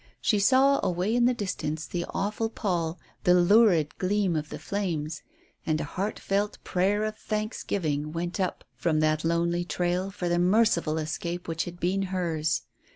She saw away in the distance the awful pall, the lurid gleam of the flames; and a heartfelt prayer of thanksgiving went up from that lonely trail for the merciful escape which had been hers.